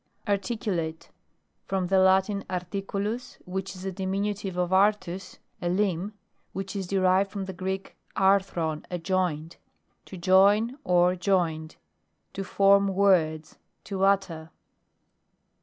ARTICULATE From the Latin, arti culuSi which is the diminutive of artus, a lirnb, which is derived from the Greek, arthron, a joint. To join or joint'. To form words ; to utter.